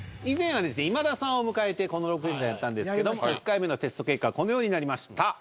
以前はですね今田さんを迎えてこの６連単やったんですけど１回目のテスト結果はこのようになりました。